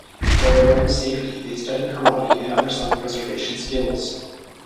For their own safety, they study karate and other self-preservation skills.